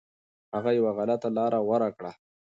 هغه یو غلطه لاره غوره کړه.